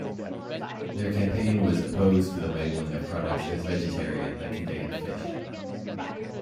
Their campaign was opposed to the labeling of products as vegetarian that contained fish.